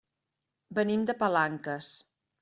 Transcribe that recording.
Venim de Palanques.